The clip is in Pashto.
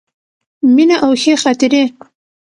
مینه او ښې خاطرې.